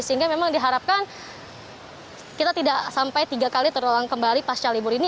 sehingga memang diharapkan kita tidak sampai tiga kali terulang kembali pasca libur ini